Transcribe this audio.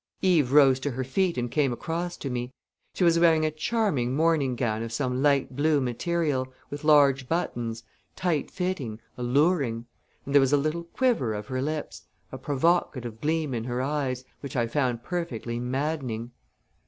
Eve rose to her feet and came across to me. She was wearing a charming morning gown of some light blue material, with large buttons, tight fitting, alluring; and there was a little quiver of her lips, a provocative gleam in her eyes, which I found perfectly maddening.